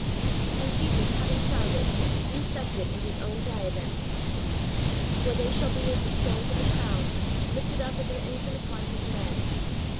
And Jesus, having found it, re sets it in His own diadem. "For they shall be as the stones of a crown, lifted up as an ensign upon His land."